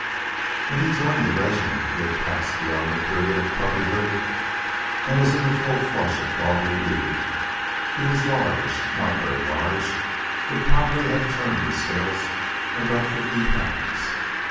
When he joined the regiment, he had passed beyond the period of puppyhood and was in the full flush of dogly beauty. He was large, not very large, would probably have turned the scales at about fifty pounds.